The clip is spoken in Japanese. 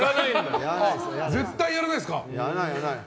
絶対やらないです。